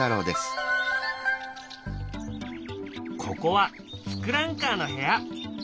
ここは「ツクランカー」の部屋。